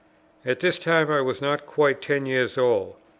At this time I was not quite ten years old.